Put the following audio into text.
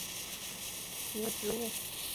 胡麻黄耆为豆科黄芪属的植物。